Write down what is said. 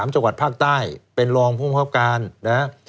๓จังหวัดภาคใต้เป็นรองผู้พบการนะ